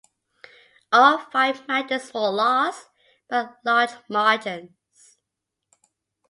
All five matches were lost by large margins.